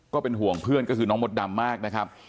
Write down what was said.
ก็เป็นห่วงเพื่อนก็คือน้องมดดำมากนะครับ